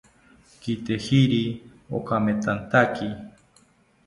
Kitejiri okamethataki